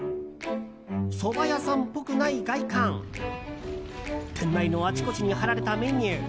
そば屋さんっぽくない外観店内のあちこちに貼られたメニュー。